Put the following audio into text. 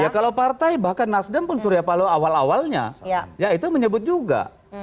ya kalau partai bahkan nasdem pun surya paloh awal awalnya ya itu menyebut juga